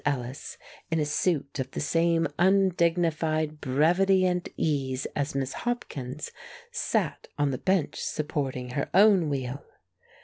Ellis, in a suit of the same undignified brevity and ease as Miss Hopkins's, sat on the bench supporting her own wheel.